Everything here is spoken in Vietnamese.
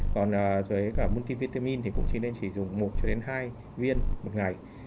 còn với cả multivitamin thì cũng chỉ nên sử dụng một cho đến hai viên một ngày